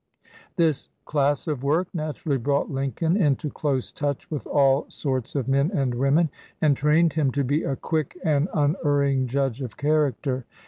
This class of work naturally brought Lincoln into close touch with all sorts of men and women, and trained him to be a quick and unerring judge of character.